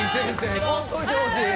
来んといてほしい。